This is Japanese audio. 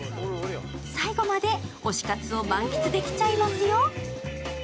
最後まで推し活を満喫できちゃいますよ。